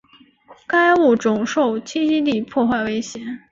该物种受栖息地破坏威胁。